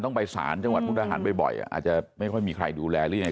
ต้องไปสารจังหวัดมุกดาหารบ่อยอาจจะไม่ค่อยมีใครดูแลหรือยังไง